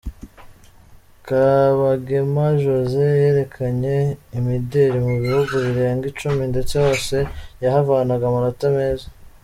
Kabagema Josée yerekanye imideli mu bihugu birenga icumi ndetse hose yahavanaga amanota meza.